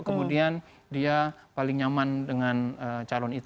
kemudian dia paling nyaman dengan calon itu